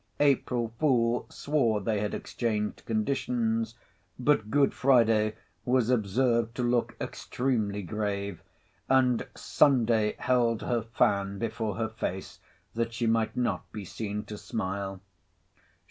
April Fool swore they had exchanged conditions: but Good Friday was observed to look extremely grave; and Sunday held her fan before her face, that she might not be seen to smile.